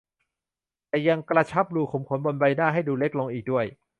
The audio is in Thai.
แต่ยังกระชับรูขุมขนบนใบหน้าให้ดูเล็กลงอีกด้วย